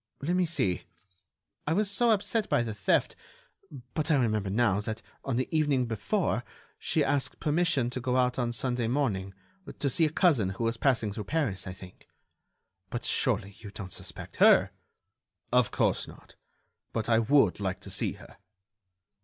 Let me see!... I was so upset by the theft ... but I remember now that, on the evening before, she asked permission to go out on Sunday morning ... to see a cousin who was passing through Paris, I think. But, surely, you don't suspect her?" "Of course not ... but I would like to see her."